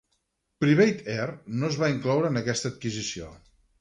"Private Air" no es va incloure en aquesta adquisició.